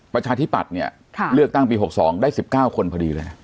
ประชาธิปัตย์เนี่ยเลือกตั้งปี๖๒ได้๑๙คนพอดีเลยนะ